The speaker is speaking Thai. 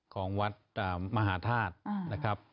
ของวัดมหาธาตุนะครับ